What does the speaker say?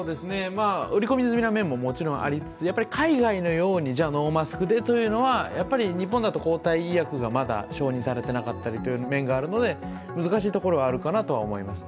織り込み済みな面ももちろんありつつやっぱり海外のように、ノーマスクでというのは、日本だと抗体医薬がまだ承認されていなかったりという面があるので難しいところはあるかなと思います。